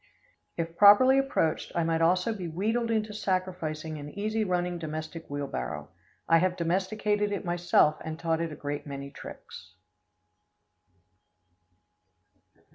If properly approached, I might also be wheedled into sacrificing an easy running domestic wheelbarrow. I have domesticated it myself and taught it a great many tricks.